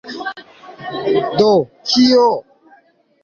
Do kio?